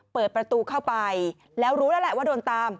เปิดประตูเข้าไปแล้วรู้แล้วแหละว่าโดนตาม